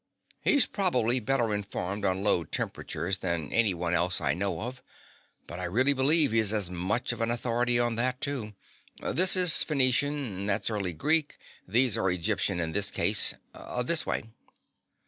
He's probably better informed on low temperatures than any one else I know of, but I really believe he's as much of an authority on that, too. This is Phoenician, and that's early Greek. These are Egyptian in this case. This way."